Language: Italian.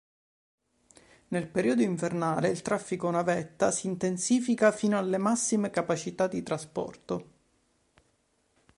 Nel periodo invernale il traffico navetta si intensifica fino alle massime capacità di trasporto.